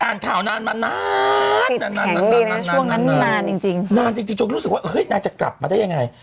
อ่านข่าวนานมานั๊ะติดแผ่นนี้เลยนะช่วงนั้นนานจริงจนก็รู้สึกว่านานจะกลับมาได้ยังไง